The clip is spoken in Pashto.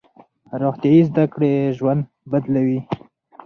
روغتیايي زده کړې ژوند بدلوي.